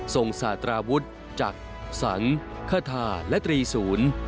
ทรงสาตราวุฒิจักรสังค์ขะทราและตรีศูนย์